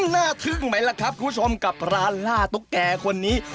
ทึ่งไหมล่ะครับคุณผู้ชมกับร้านล่าตุ๊กแก่คนนี้